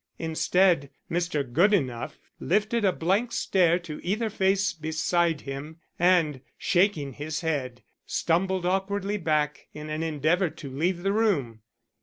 Instead, Mr. Goodenough lifted a blank stare to either face beside him, and, shaking his head, stumbled awkwardly back in an endeavor to leave the room.